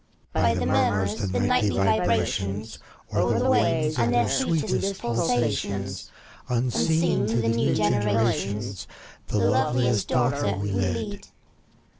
By the murmurs, the nightly vibrations, O'er the waves and their sweetest pulsations. Unseen to the new generations, The loveliest daughter we lead.